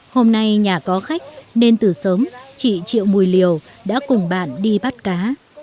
hôm nay nhà có khách nên từ sớm chị triệu mùi lìu đã cùng bạn đi bắt cá